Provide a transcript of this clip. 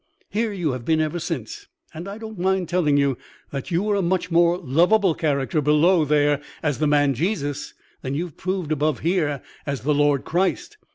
Here you have been ever since; and I don't mind telling you that you were a much more loveable character below there as the man Jesus than you have proved above here as the Lord Christ.